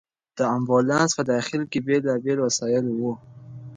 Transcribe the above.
د امبولانس په داخل کې بېلابېل وسایل وو.